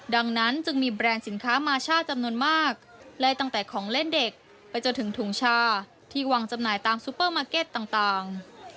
ดังนั้นจึงมีแบรนด์สินค้ามาช่าจำนวนมากไล่ตั้งแต่ของเล่นเด็กไปจนถึงถุงชาที่วางจำหน่ายตามซูเปอร์มาร์เก็ตต่าง